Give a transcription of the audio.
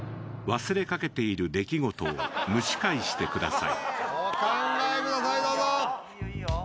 忘れかけている出来事を蒸し返してください。